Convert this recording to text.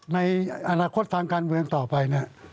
ในอนาคตทางการเงินต่อไป